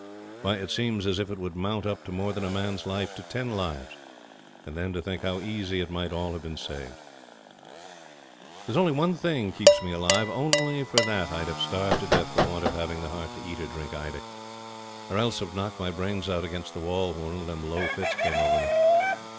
Why, it seems as if it would mount up to more than a man's life to ten lives and then to think how easy it might all have been saved. There's only one thing keeps me alive; only for that I'd have starved to death for want of having the heart to eat or drink either, or else have knocked my brains out against the wall when one of them low fits came over me.